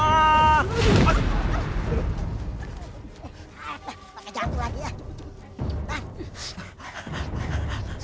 pakai janggul lagi ya